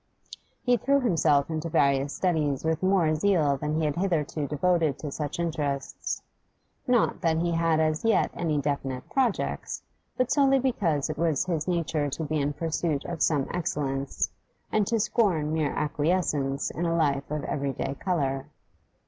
He threw himself into various studies with more zeal than he had hitherto devoted to such interests; not that he had as yet any definite projects, but solely because it was his nature to be in pursuit of some excellence and to scorn mere acquiescence in a life of every day colour.